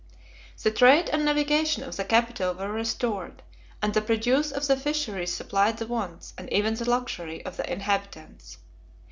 The trade and navigation of the capital were restored; and the produce of the fisheries supplied the wants, and even the luxury, of the inhabitants.